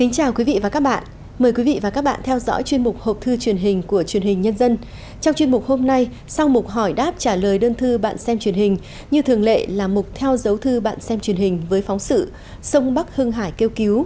chào mừng quý vị đến với bộ phim hãy nhớ like share và đăng ký kênh của chúng mình nhé